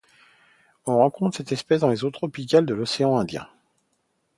On rencontre cette espèce dans les eaux tropicales de l'océan Indien.